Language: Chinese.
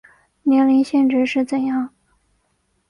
年龄限制是怎样